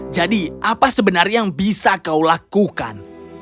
jadi apa sebenarnya yang bisa kau lakukan